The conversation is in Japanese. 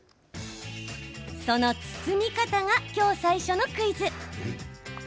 その包み方がきょう最初のクイズ！